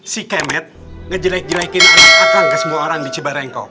si kemet ngejelek jelekin anak akan ke semua orang di cibarengkok